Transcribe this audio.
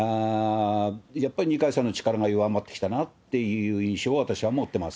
やっぱり二階さんの力が弱まってきたなっていう印象を私は持ってます。